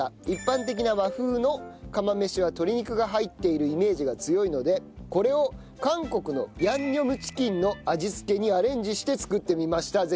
一般的な和風の釜飯は鶏肉が入っているイメージが強いのでこれを韓国のヤンニョムチキンの味付けにアレンジして作ってみました。